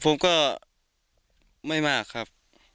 ผมก็ไม่มากครับ